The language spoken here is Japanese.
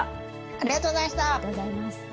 ありがとうございます。